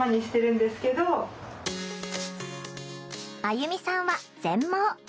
あゆみさんは全盲。